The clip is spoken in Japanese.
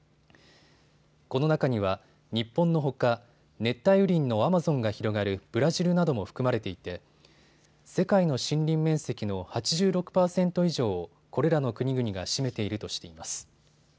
この中には日本のほか熱帯雨林のアマゾンが広がるブラジルなども含まれていて世界の森林面積の８６％以上をこれらの国々が占めているとしています。